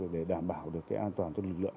để đảm bảo được an toàn cho lực lượng